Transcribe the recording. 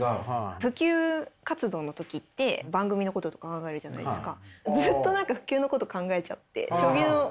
普及活動の時って番組のこととか考えるじゃないですか。